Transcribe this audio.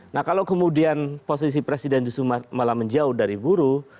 nah kalau kemudian posisi presiden justru malah menjauh dari buruh